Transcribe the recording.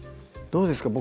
どうですか？